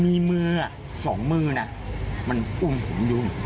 มีมือ๒มือนะมันอุ่มหุ่มยุ่ม